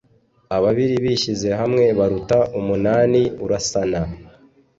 ababiri bishyize hamwe baruta umunani urasana